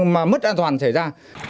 mà mất an toàn xảy ra